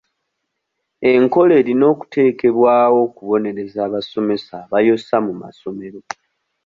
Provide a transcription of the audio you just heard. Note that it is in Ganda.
Enkola erina okuteekebwawo okubonereza abasomesa abayosa mu masomero.